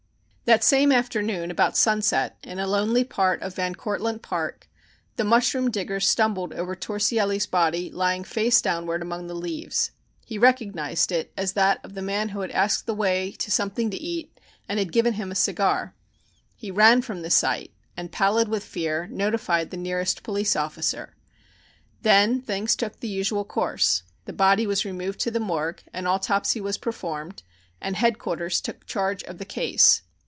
The same afternoon about sunset, in a lonely part of Van Cortlandt Park, the mushroom digger stumbled over Torsielli's body lying face downward among the leaves. He recognized it as that of the man who had asked the way to something to eat and given him a cigar. He ran from the sight and, pallid with fear, notified the nearest police officer. Then things took the usual course. The body was removed to the morgue, an autopsy was performed, and "Headquarters" took charge of the case.